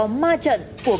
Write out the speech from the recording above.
ờ chục ba quả